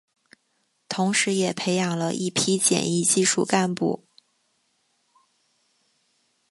同时也培养了一批检疫技术干部。